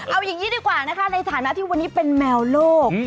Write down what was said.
เอาอย่างนี้ดีกว่านะคะในฐานะที่วันนี้เป็นแมวโลก